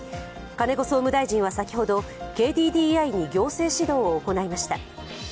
金子総務大臣は先ほど、ＫＤＤＩに行政指導を行いました。